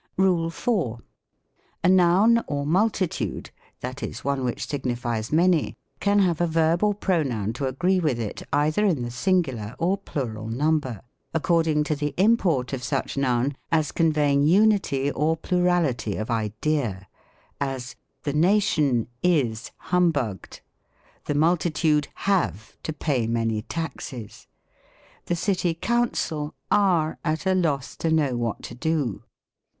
RULE IV. A noun or multitude, that is, one which signifies many, can have a verb or Pronoun to agree with it either in the singular or plural number ; according to the import of such noun, as conveying unity or plurali ty of idea : as, "The nation Z5 humbugged." "The multitude have to pay many taxes." " The city Coun cil are at a loss to know what to do."